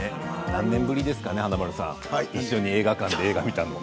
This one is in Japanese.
何年ぶりですかね華丸さん一緒に映画館で映画を見たの。